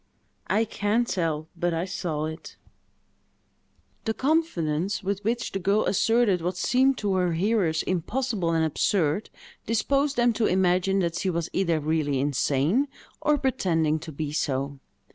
"I can't tell; but I saw it." The confidence with which the girl asserted what seemed to her hearers impossible and absurd, disposed them to imagine that she was either really insane, or pretending to be so.